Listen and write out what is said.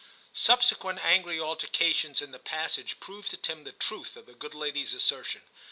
Subsequent angry altercations in the passage proved to Tim the truth of the good lady's assertion.